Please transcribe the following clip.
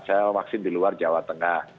saya vaksin di luar jawa tengah